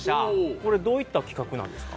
これどういった企画なんですか？